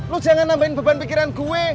lu jangan nambahin beban pikiran gue